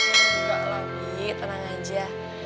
enggak lah bi tenang aja